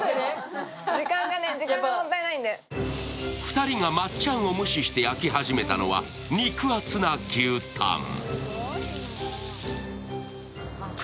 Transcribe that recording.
２人がまっちゃんを無視して焼き始めたのが肉厚な牛タン。